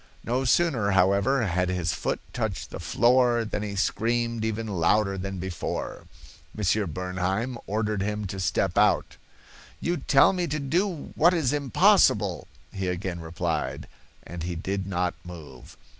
No sooner, however, had his foot touched the floor than he screamed even louder than before. Monsieur Bernheim ordered him to step out. 'You tell me to do what is impossible,' he again replied, and he did not move.